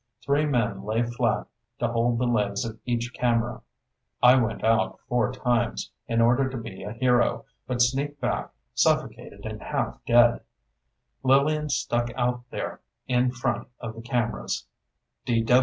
Three men lay flat to hold the legs of each camera. I went out four times, in order to be a hero, but sneaked back suffocated and half dead. Lillian stuck out there in front of the cameras.